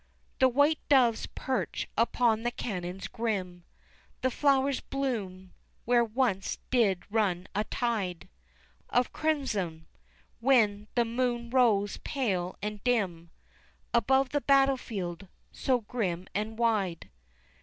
The white doves perch upon the cannons grim, The flowers bloom where once did run a tide Of crimson, when the moon rose pale and dim Above the battlefield so grim and wide.